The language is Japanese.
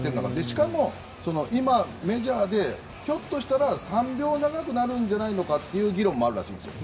しかも、今、メジャーでひょっとしたら３秒長くなるんじゃないかという議論もあるらしいです。